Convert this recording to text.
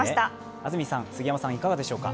安住さん、杉山さん、いかがでしょうか。